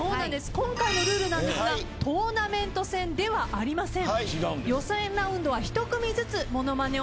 今回のルールなんですがトーナメント戦ではありません。